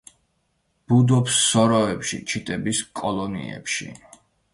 ბუდობს სოროებში, ჩიტების კოლონიებში.